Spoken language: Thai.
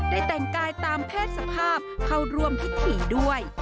แต่งกายตามเพศสภาพเข้าร่วมพิธีด้วย